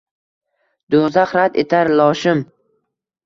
Doʼzax rad etar loshim.